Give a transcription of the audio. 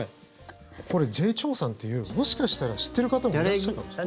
これ、ジェイ・チョウさんというもしかしたら知っている方もいらっしゃるかもしれない。